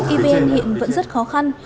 evn hiện vẫn rất khó khăn